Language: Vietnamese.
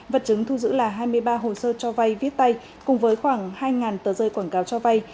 vật chứng thu giữ là hai mươi ba hồ sơ cho vay viết tay cùng với khoảng hai tờ rơi quảng cáo cho vay